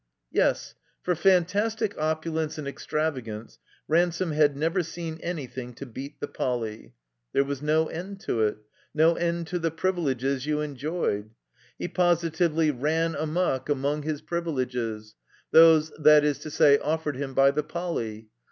Yes, for fantastic optdence and extravagance, 6 THE COMBINED MAZE Raiisome had never seen anything to beat the Poly, There was no end to it, no end to the privileges you enjoyed. He positively ran amuck among his privileges — those, that is to say, offered him by the Poly.